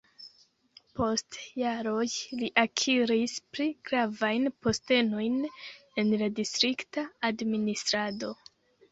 Post jaroj li akiris pli gravajn postenojn en la distrikta administrado.